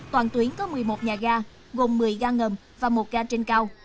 toàn tuyến có một mươi một nhà ga gồm một mươi ga ngầm và một ga trên cao